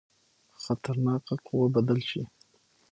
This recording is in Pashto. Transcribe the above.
خطرناکه قوه بدل شي.